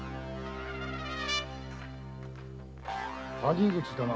谷口だな。